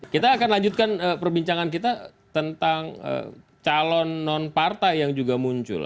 kita akan lanjutkan perbincangan kita tentang calon non partai yang juga muncul